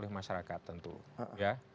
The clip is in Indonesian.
masyarakat tentu ya